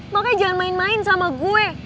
makanya jangan main main sama gue